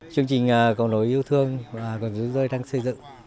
chương trình cầu nối yêu thương và cần dưới rơi đang xây dựng